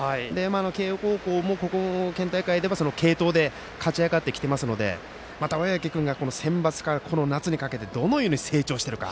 慶応高校も、県大会では継投で勝ち上がってきているのでまた小宅君がセンバツから夏にかけてどのように成長しているか。